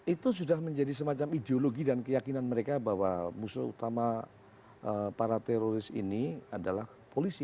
itu sudah menjadi semacam ideologi dan keyakinan mereka bahwa musuh utama para teroris ini adalah polisi